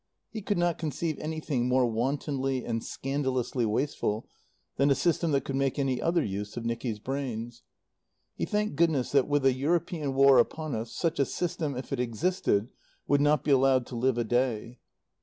He could not conceive anything more wantonly and scandalously wasteful than a system that could make any other use of Nicky's brains. He thanked goodness that, with a European War upon us, such a system, if it existed, would not be allowed to live a day.